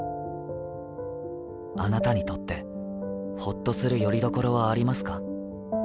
あなたにとって、ホッとする拠り所はありますか。